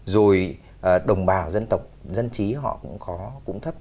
rồi đồng bào dân tộc dân trí họ cũng có cũng thấp